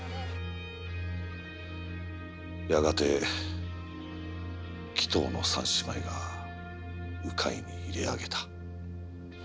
やがて鬼頭の３姉妹が鵜飼に入れ揚げた。